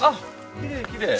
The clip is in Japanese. きれいきれい。